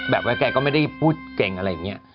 แบบว่าแกก็ไม่ได้พูดเก่งอะไรอย่างนี้